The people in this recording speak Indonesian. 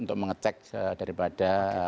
untuk mengecek daripada